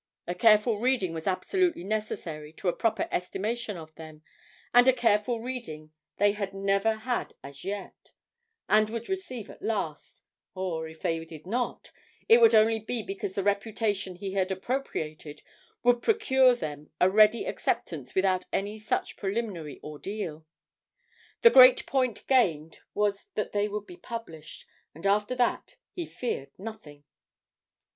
A careful reading was absolutely necessary to a proper estimation of them, and a careful reading they had never had as yet, and would receive at last, or, if they did not, it would only be because the reputation he had appropriated would procure them a ready acceptance without any such preliminary ordeal. The great point gained was that they would be published, and after that he feared nothing.